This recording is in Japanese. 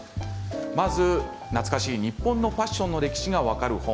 まず懐かしい日本のファッションの歴史が分かる本。